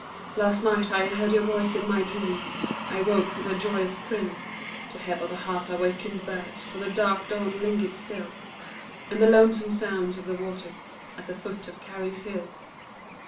Last night I heard your voice in my dreams, I woke with a joyous thrill To hear but the half awakened birds, For the dark dawn lingered still, And the lonesome sound of the waters, At the foot of Carey's hill.